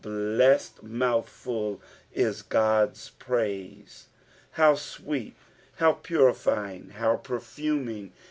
blessed mouthful is Ood's praise 1 How sweet, how purifjing, how perfuming